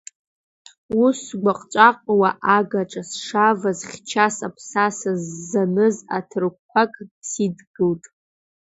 Ус сгәаҟҵәаҟуа агаҿа сшаваз, хьчас аԥсаса ззаныз аҭырқәак сидикылт.